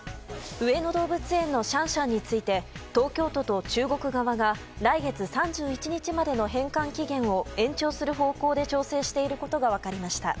上野動物園のシャンシャンについて東京都と中国側が来月３１日までの返還期限を延長する方向で調整していることが分かりました。